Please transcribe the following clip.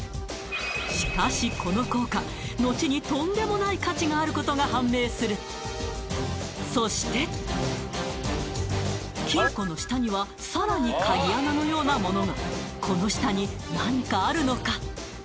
しかしこの硬貨のちにとんでもない価値があることが判明するそして金庫の下にはさらに鍵穴のようなものがこの下に何かあるのか？